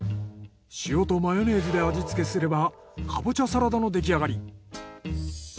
塩とマヨネーズで味付けすればカボチャサラダの出来上がり。